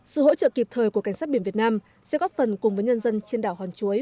sự hỗ trợ kịp thời của cảnh sát biển việt nam sẽ góp phần cùng với nhân dân trên đảo hòn chuối